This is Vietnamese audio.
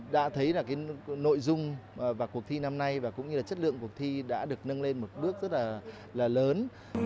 đã thấy nội dung và cuộc thi năm nay và cũng như chất lượng cuộc thi đã được nâng lên một bước rất là lớn